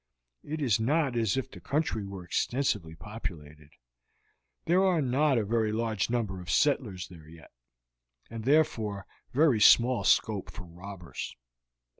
It is not as if the country were extensively populated; there are not a very large number of settlers there yet, and therefore very small scope for robbers.